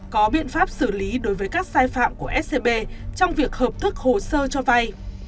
có biện pháp xử lý đối với các sai phạm của scb trong việc hợp thức hồ sơ cho vay